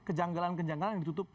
kejanggalan kejanggalan yang ditutupi